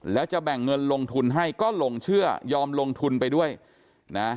แล้วจะแบ่งเงินลงทุนให้ก็หลงเชื่อยอมลงทุนไปด้วยนะ